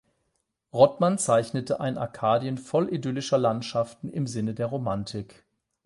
Rottmann zeichnete ein Arkadien voll idyllischer Landschaften im Sinne der Romantik.